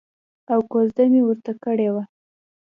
او کوزده مې ورته کړې وه.